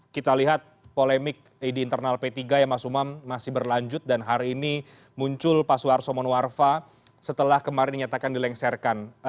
kita lihat polemik di internal p tiga ya mas umam masih berlanjut dan hari ini muncul pak suarso monoarfa setelah kemarin dinyatakan dilengsarkan